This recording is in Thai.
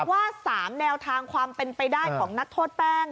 ว่า๓แนวทางความเป็นไปได้ของนักโทษแป้ง